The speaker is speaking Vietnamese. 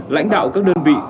lãnh đạo các đơn vị